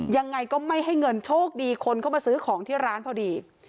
ยังไงก็ไม่ให้เงินโชคดีคนเข้ามาซื้อของที่ร้านพอดี